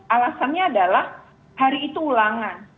alasannya adalah hari itu ulangan